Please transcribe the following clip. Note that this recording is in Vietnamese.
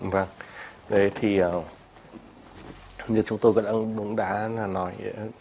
vâng như chúng tôi cũng đã nói